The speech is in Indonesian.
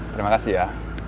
terima kasih ya